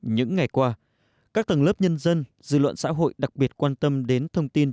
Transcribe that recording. những ngày qua các tầng lớp nhân dân dư luận xã hội đặc biệt quan tâm đến thông tin